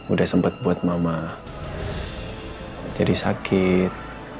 udah sempat buat mama jadi sakit